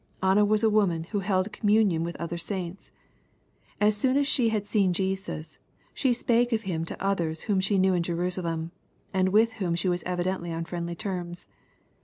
Anna was a woman who held communion with other saints. So soon as she had seen Jesus, she ^^ spake of Him" to others whom she knew in Jerusalem, and with whom she was evidently on friendly terms.